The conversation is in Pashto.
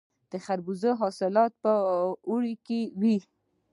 د خربوزو حاصلات په اوړي کې وي.